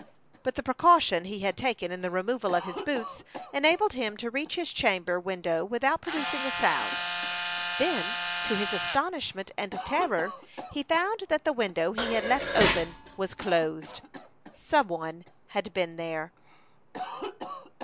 But the precaution he had taken in the removal of his boots enabled him to reach his chamber window without producing a sound. Then, to his astonishment and terror, he found that the window he had left open was closed. Some one had been there.